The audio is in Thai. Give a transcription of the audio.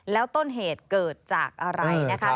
แล้วต้นเหตุเกิดจากอะไรนะคะ